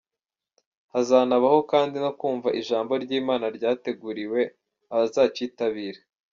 Hazanabaho kandi no kumva ijambo ry’Imana ryateguriwe abazacyitabira.